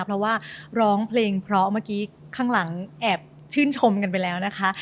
เพราะว่าร้องเพลงเพราะเมื่อกี้ข้างหลังแอบชื่นชมกันไปแล้วนะคะ